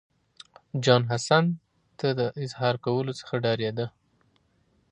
جون حسن ته د اظهار کولو څخه ډارېده